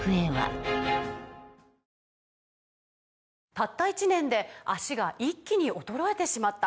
「たった１年で脚が一気に衰えてしまった」